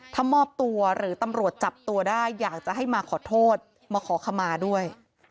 ถ้ามอบตัวหรือตำรวจจับตัวได้อยากจะให้มาขอโทษมาขอขมาด้วย